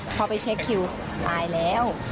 พอไปเช็คคิวตายแล้ว